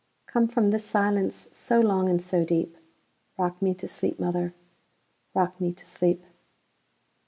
Come from the silence so long and so deep;—Rock me to sleep, mother,—rock me to sleep!